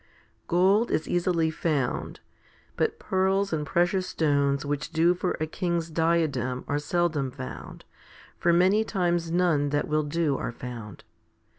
2. Gold is easily found; but pearls and precious stones which do for a king's diadem are seldom found, for many times none that will do are found.